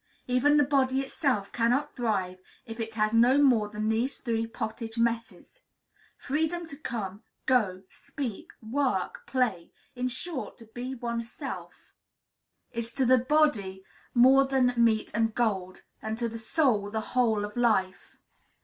Even the body itself cannot thrive if it has no more than these three pottage messes! Freedom to come, go, speak, work, play, in short, to be one's self, is to the body more than meat and gold, and to the soul the whole of life.